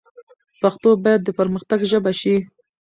پښتو باید د پرمختګ ژبه شي.